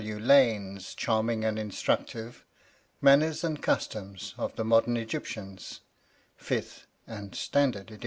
W. Lane's charming and instructive "Manners and Customs of the Modem Egyptians" (fifth and standard ed.